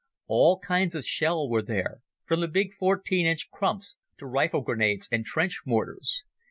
All kinds of shell were there, from the big 14 inch crumps to rifle grenades and trench mortars.